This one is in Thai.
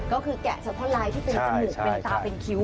ก็คือแกะเฉพาะลายที่เป็นจมูกเป็นตาเป็นคิ้ว